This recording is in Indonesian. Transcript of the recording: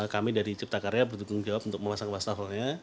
kami dari cipta karya bertanggung jawab untuk memasang wastafelnya